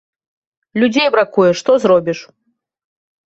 Людзей бракуе, што зробіш.